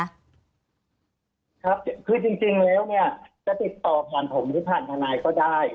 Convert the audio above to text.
ครับคือจริงแล้วเนี่ยจะติดต่อผ่านผมหรือผ่านทนายก็ได้